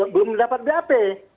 belum dapat bap